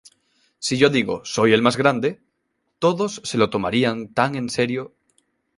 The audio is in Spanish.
Si yo digo "Soy el más grande", todos se lo tomarían tan en serio.